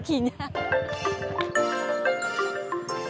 tapi sebelumnya kita harus mencari jokinya